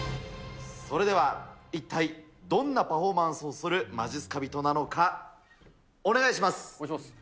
それでは一体どんなパフォーマンスをするまじっすか人なのか、お願いします。